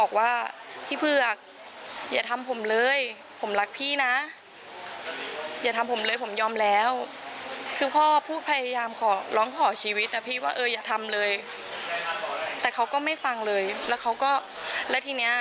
คือพ่อพูดพยายามขอล้องพอชีวิตนะพี่